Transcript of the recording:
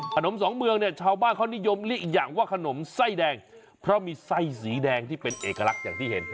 สองเมืองเนี่ยชาวบ้านเขานิยมเรียกอีกอย่างว่าขนมไส้แดงเพราะมีไส้สีแดงที่เป็นเอกลักษณ์อย่างที่เห็น